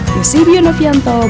yusif yunufyanto berita